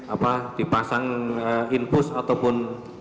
apa dipasang infus ataupun